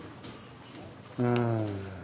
うん。